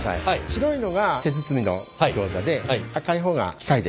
白いのが手包みのギョーザで赤い方が機械で。